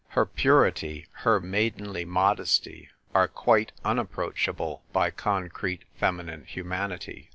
Her purity, her maidenly modesty, are quite unapproach able by concrete feminine humanity.